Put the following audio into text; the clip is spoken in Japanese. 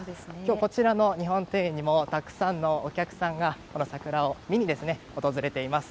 こちらの日本庭園にもたくさんのお客さんが桜を見に訪れています。